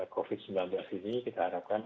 covid sembilan belas ini kita harapkan